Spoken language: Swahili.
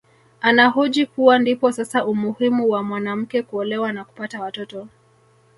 Anahoji kuwa ndipo sasa umuhimu wa mwanamke kuolewa na kupata watoto